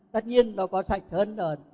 tất nhiên nó có sạch hơn ở đông an sư cửu long